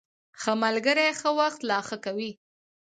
ښه ملګري ښه وخت لا ښه کوي.